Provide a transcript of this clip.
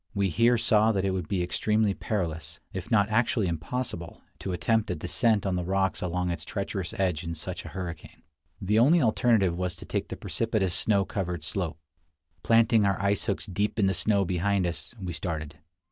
We here saw that it would be extremely perilous, if not actually impossible, to attempt a descent on the rocks along its treacherous edge in such a hurricane. The only alternative was to take the precipitous snow covered slope. Planting our ice hooks deep in the snow behind us, we started.